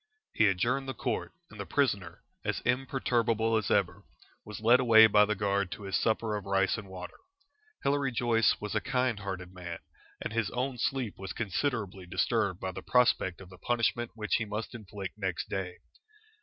He adjourned the Court, and the prisoner, as imperturbable as ever, was led away by the guard to his supper of rice and water. Hilary Joyce was a kind hearted man, and his own sleep was considerably disturbed by the prospect of the punishment which he must inflict next day.